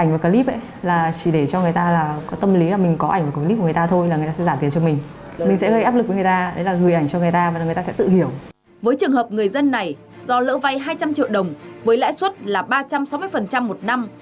với trường hợp người dân này do lỡ vay hai trăm linh triệu đồng với lãi suất là ba trăm sáu mươi một năm